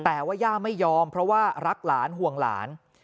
แต่ว่าย่าไม่ยอมเพราะว่ารักหลานห่วงหลาน